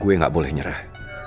gue gak boleh nyerah